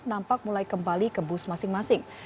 nampak mulai kembali ke bus masing masing